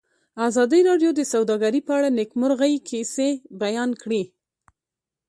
ازادي راډیو د سوداګري په اړه د نېکمرغۍ کیسې بیان کړې.